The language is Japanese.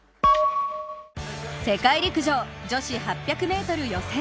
世界陸上、女子８００ｍ予選。